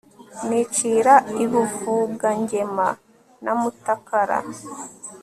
nicira i Buvugangema na Mutakara